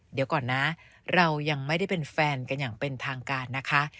เดี๋ยวก่อนนะเรายังไม่ได้เป็นแฟนกันอย่างเป็นทางการนะคะ